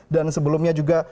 dan sebelumnya juga